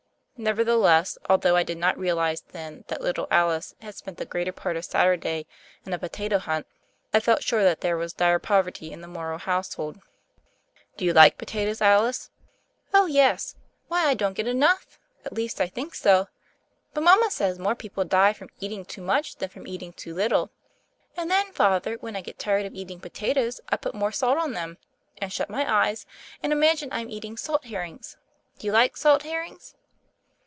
Nevertheless, although I did not realize then that little Alice had spent the greater part of Saturday in a po tato hunt, I felt sure that there was dire poverty in the Morrow household. THE FAIRY OF THE SNOWS 15 "Do you like potatoes, Alice ?" Oh, yes I Why, I don't get enough — at least, I think so; but mama says more people die from eating too much than from eatmg too lit tle. And tnen, Father, when I get tired of eat ing potatoes I put more salt on them, and shut my eyes, and imagine I'm eating salt herrings. Do you like salt herrings?"